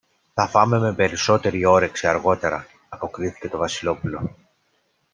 Θα φάμε με περισσότερη όρεξη αργότερα, αποκρίθηκε το Βασιλόπουλο.